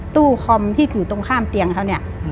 ตู้คอมที่อยู่ตรงข้ามเตียงเขาเนี่ย